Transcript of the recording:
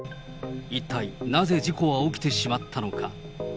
一体なぜ事故は起きてしまったのか。